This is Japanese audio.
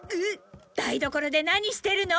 台所で何してるの？